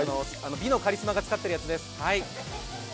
美のカリスマが使っているやつです。